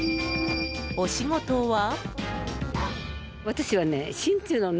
お仕事は？